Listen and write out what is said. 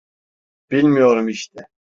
Bilmiyorum işte.